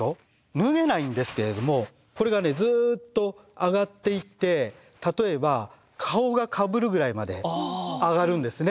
脱げないんですけれどもこれがずっと上がっていって例えば顔がかぶるぐらいまで上がるんですね。